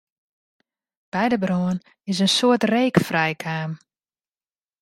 By de brân is in soad reek frijkaam.